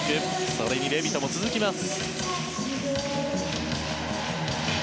それにレビトも続きます。